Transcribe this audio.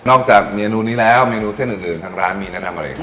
จากเมนูนี้แล้วเมนูเส้นอื่นทางร้านมีแนะนำอะไรครับ